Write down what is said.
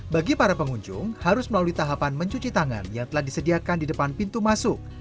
bagi para pengunjung harus melalui tahapan mencuci tangan yang telah disediakan di depan pintu masuk